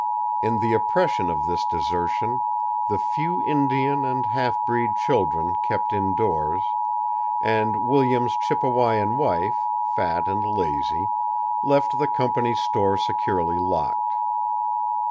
In the oppression of this desertion, the few Indian and half breed children kept indoors, and Williams' Chippewayan wife, fat and lazy, left the company's store securely locked.